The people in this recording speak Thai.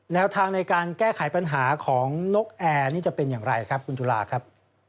แนวทางในการแก้ไขปัญหาของนกแอร์นี่จะเป็นอย่างไรครับคุณจุฬาครับ